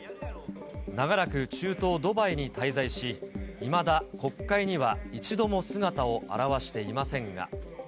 長らく中東ドバイに滞在し、いまだ国会には一度も姿を現していませんが。